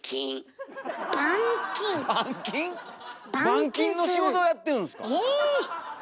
板金の仕事やってるんすか。